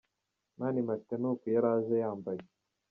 Mani Martin ni uko yari yaje yambaye.